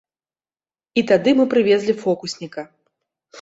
І тады мы прывезлі фокусніка.